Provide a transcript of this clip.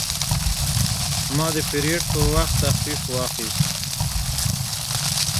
ما د پیرود پر وخت تخفیف واخیست.